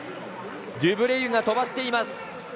デュブレイユが飛ばしています。